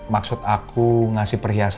tapi aku juga nggak mau ngasih perhiasan